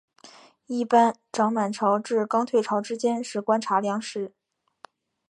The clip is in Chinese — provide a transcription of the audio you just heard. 一般涨满潮至刚退潮之间是观察良时。